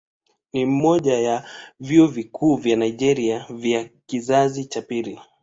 Ni mmoja ya vyuo vikuu vya Nigeria vya kizazi cha pili.